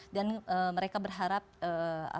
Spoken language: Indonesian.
dan mereka berharga